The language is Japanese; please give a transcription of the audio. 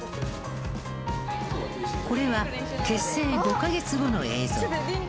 これは結成５カ月後の映像。